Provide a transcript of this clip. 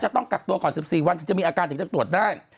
ต้องกักตัวก่อน๑๔วันถึงจะมีอาการถึงจะตรวจได้